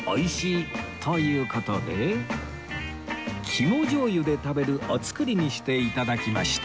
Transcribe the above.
肝醤油で食べるお造りにして頂きました